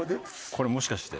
これもしかして。